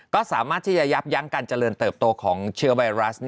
ก็สามารถที่จะยับยั้งการเจริญเติบโตของเชื้อไวรัส